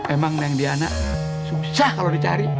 emang neng diana susah kalau dicari